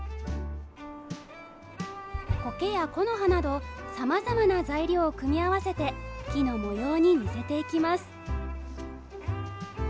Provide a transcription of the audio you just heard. コケや木の葉などさまざまな材料を組み合わせて木の模様に似せていきます。